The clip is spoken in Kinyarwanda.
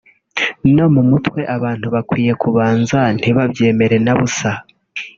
no mu mutwe abantu bakwiye kubanza ntibabyemere na busa